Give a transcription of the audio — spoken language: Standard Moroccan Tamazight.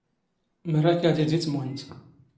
ⵎⵔⴰ ⴽⴰ ⴷⵉⴷⵉ ⵜⵎⵓⵏⴷ.